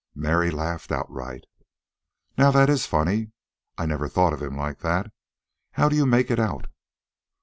Mary laughed outright. "Now that IS funny. I never thought of him like that. How do you make it out?"